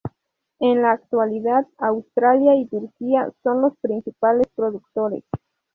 En la actualidad Australia y Turquía son los principales productores.